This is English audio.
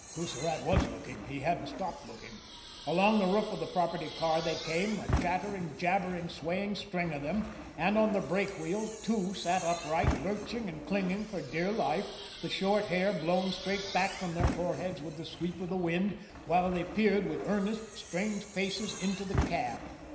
Coussirat was looking he hadn't stopped looking. Along the roof of the property car they came, a chattering, jabbering, swaying string of them and on the brake wheel two sat upright, lurching and clinging for dear life, the short hair blown straight back from their foreheads with the sweep of the wind, while they peered with earnest, strained faces into the cab.